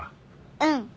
うん。